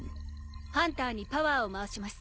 ハンターにパワーを回します。